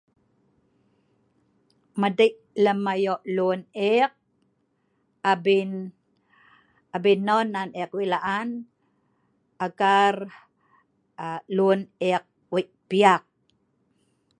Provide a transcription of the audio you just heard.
Madei lem ayo' lun ek abin, abin non nan ek wei' laan agar lun aa ek wei' piyak.